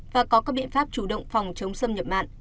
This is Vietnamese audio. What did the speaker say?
và có các biện pháp chủ động phòng chống xâm nhập mặn